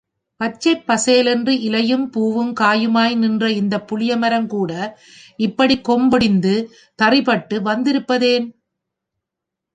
பச்சைப்பசேல் என்று இலையும், பூவுங், காயுமாய் நின்ற இந்தப் புளியமரங்கூட இப்படிக் கொம்பொடிந்து தறிபட்டு வந்திருப்பதேன்?